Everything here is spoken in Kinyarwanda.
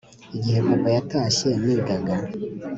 Igihe papa yatashye nigaga